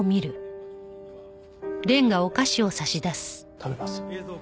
食べます？